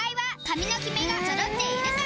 髪のキメがそろっているか！？